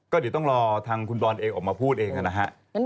ก็เดี๋ยวต้องรอทางคุณบอลเองออกมาพูดเองนะฮะ